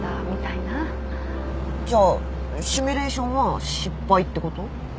じゃあシミュレーションは失敗ってこと？